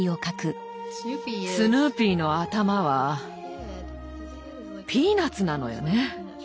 スヌーピーの頭はピーナツなのよね。